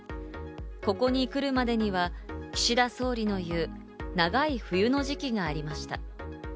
ここに来るまでには岸田総理の言う、長い冬の時期がありました。